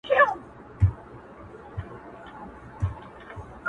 o لو څه زور غواړي؟ پرې که، واچوه!